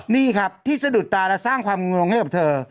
นี่ครับที่สะดุดตาและสร้างความงงให้กับเธอ